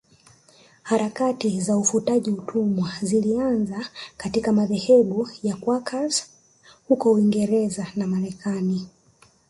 Harakati za ufutaji utumwa zilianza katika madhehebu ya Quakers huko Uingereza na Marekani